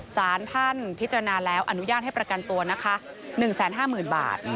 สารท่านพิจารณาแล้วอนุญาตให้ประกันตัวนะคะ๑๕๐๐๐บาท